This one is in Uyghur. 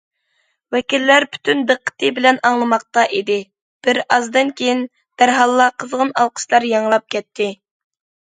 ۋەكىللەر پۈتۈن دىققىتى بىلەن ئاڭلىماقتا ئىدى، بىر ئازدىن كېيىن، دەرھاللا قىزغىن ئالقىشلار ياڭراپ كەتتى.